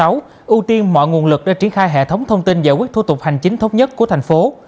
ưu tiên mọi nguồn lực để triển khai hệ thống thông tin giải quyết thủ tục hành chính thống nhất của thành phố